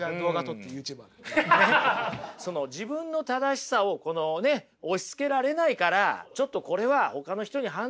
その自分の正しさをこのね押しつけられないからちょっとこれはほかの人に判断してもらおうと思ったと。